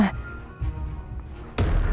akaun memory cloudnya roy